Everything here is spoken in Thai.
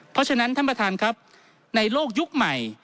เพราะฉะนั้นท่านประธานครับในโลกยุคใหม่